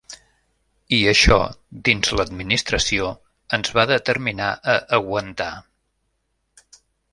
I això, dins l’administració, ens va determinar a aguantar.